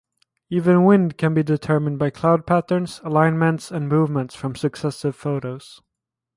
Even wind can be determined by cloud patterns, alignments and movement from successive photos.